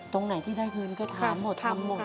ตรงไหนที่ได้คืนก็ถามหมด